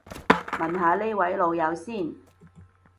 問下呢位老友先